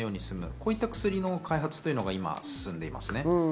そういった薬の開発が今進んでいますね。